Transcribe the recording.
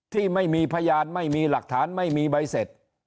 ที่ไม่มีพยานไม่มีหลักฐานไม่มีใบเสร็จ